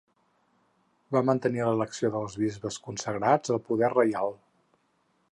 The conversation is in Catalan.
Va mantenir l'elecció dels bisbes consagrats al poder reial.